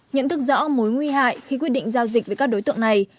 nhận thức rõ mối nguy hại khi quyết định giao dịch với các đối tượng này